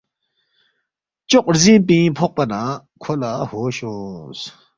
چوق رزِنگ پِنگ فوقپا نہ کھو لہ ہوش اونگس